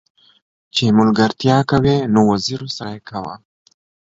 چې ملګرتيا کې نه وزيرو سره يې کاوه.